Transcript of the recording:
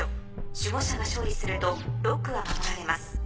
守護者が勝利するとロックは守られます。